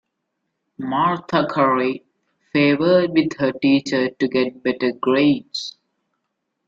Marta curry favored with her teacher to get better grades.